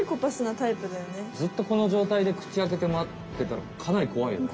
ずっとこのじょうたいで口あけてまってたらかなりこわいよね。